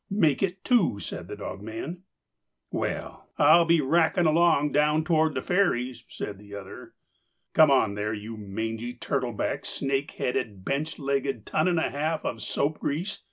"Make it two," said the dogman. "Well, I'll be racking along down toward the ferry," said the other. "Come on, there, you mangy, turtle backed, snake headed, bench legged ton and a half of soap grease!"